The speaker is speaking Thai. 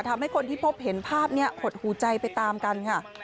ทำให้คนที่พบเห็นภาพนี้หดหูใจไปตามกันค่ะ